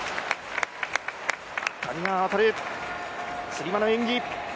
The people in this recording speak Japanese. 谷川航、つり輪の演技。